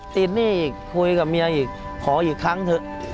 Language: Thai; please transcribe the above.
หนี้อีกคุยกับเมียอีกขออีกครั้งเถอะ